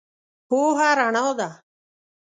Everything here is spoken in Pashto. پوهه رنا ده.